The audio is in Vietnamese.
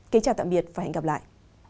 kính chào tạm biệt và hẹn gặp lại